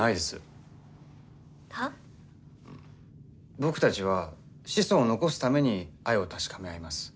僕たちは子孫を残すために愛を確かめ合います。